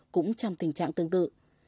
cũng trong tình trạng tương tự